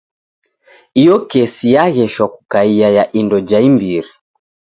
Iyo kesi yagheshwa kukaia ya indo ja imbiri.